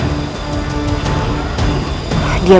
cepat serah dia